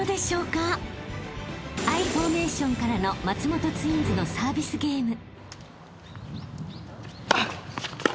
［Ｉフォーメーションからの松本ツインズのサービスゲーム］